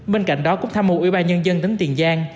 bên cạnh đó cũng tham mục ủy ban nhân dân tấn tiền gian